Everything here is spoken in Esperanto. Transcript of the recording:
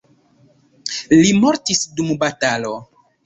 Li mortis dum batalo.